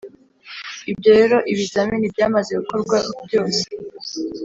iyo rero ibizamini byamaze gukorwa byose,